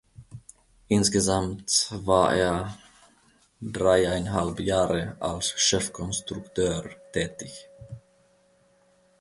Insgesamt war er dreieinhalb Jahre als Chefkonstrukteur tätig.